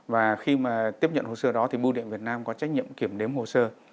và khi mà tiếp nhận hồ sơ đó thì bưu điện việt nam có trách nhiệm kiểm đếm hồ sơ